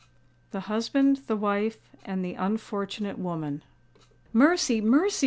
THE HUSBAND, THE WIFE, AND THE UNFORTUNATE WOMAN. "Mercy! mercy!"